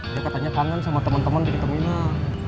dia katanya kangen sama temen temen di terminal